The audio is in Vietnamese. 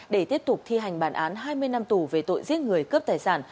để tiếp tục thi hành bản án hai mươi năm tù về tội giết người cướp tài sản